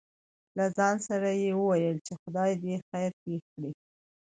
له ځان سره يې وويل :چې خداى دې خېر پېښ کړي.